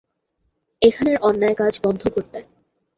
এখানের অন্যায়কাজ বন্ধ করতে।